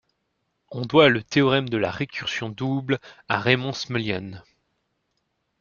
On doit le théorème de récursion double à Raymond Smullyan.